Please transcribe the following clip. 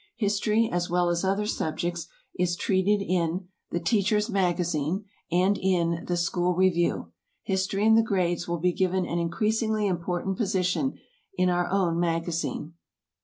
History, as well as other subjects, is treated in "The Teacher's Magazine" and in the "School Review." History in the grades will be given an increasingly important position in our own magazine.